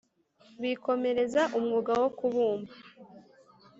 bikomereza umwuga wo kubumba